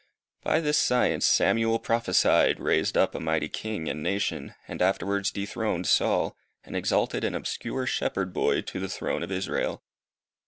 By this science Samuel prophesied, raised up a mighty king and nation, and afterwards dethroned Saul, and exalted an obscure shepherd boy to the throne of Israel.